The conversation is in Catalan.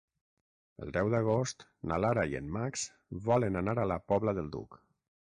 El deu d'agost na Lara i en Max volen anar a la Pobla del Duc.